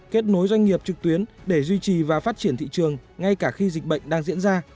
kết nối doanh nghiệp trực tuyến để duy trì và phát triển thị trường ngay cả khi dịch bệnh đang diễn ra